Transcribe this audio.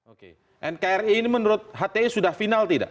oke nkri ini menurut hti sudah final tidak